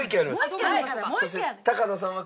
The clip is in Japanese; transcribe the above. そして。